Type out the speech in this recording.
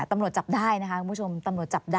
ตำรวจจับได้นะคะคุณผู้ชม